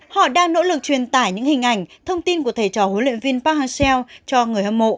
họ đang nỗ lực truyền tải những hình ảnh thông tin của thầy trò huấn luyện viên park hang cho người hâm mộ